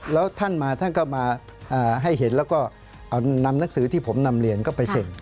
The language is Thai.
แล้วท่านมาท่านก็มาให้เห็นแล้วก็เอานำหนังสือที่ผมนำเรียนก็ไปเซ็น